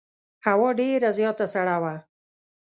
هوا ډېره زیاته سړه وه.